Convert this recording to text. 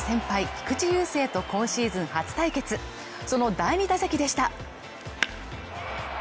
菊池雄星と今シーズン初対決その第２打席でした。